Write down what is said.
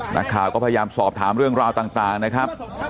นักข่าวก็พยายามสอบถามเรื่องราวต่างนะครับ